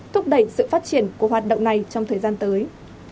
thúc đẩy sự phát triển của hoạt động này trong thời gian tới